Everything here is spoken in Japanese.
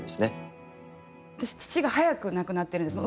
私父が早く亡くなってるんです。